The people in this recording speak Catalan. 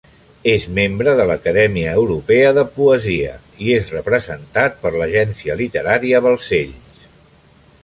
És membre de l'Acadèmia Europea de Poesia i és representat per l'Agència Literària Balcells.